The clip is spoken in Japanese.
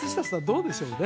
どうでしょうね？